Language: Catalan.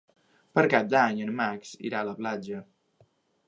Per Cap d'Any en Max irà a la platja.